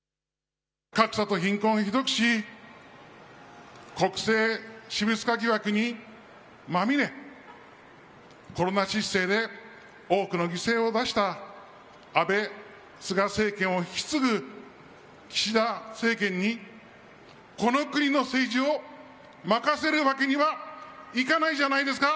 格差と貧困をひどくし、国政私物化疑惑にまみれ、コロナ失政で多くの犠牲を出した安倍・菅政権を引き継ぐ岸田政権にこの国の政治を任せるわけにはいかないじゃないですか。